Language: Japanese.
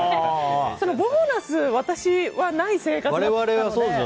ボーナス私はない生活だったので。